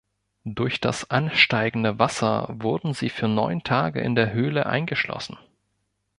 Durch das ansteigende Wasser wurden sie für neun Tage in der Höhle eingeschlossen.